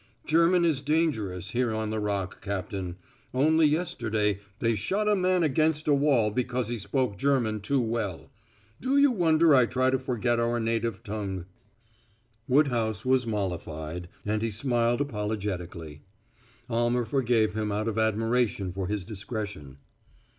"German is dangerous here on the Rock, Captain. Only yesterday they shot a man against a wall because he spoke German too well. Do you wonder I try to forget our native tongue?" Woodhouse was mollified, and he smiled apologetically. Almer forgave him out of admiration for his discretion.